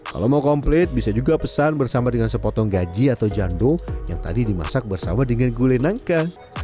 kalau mau komplit bisa juga pesan bersama dengan sepotong gaji atau jando yang tadi dimasak bersama dengan gulai nangka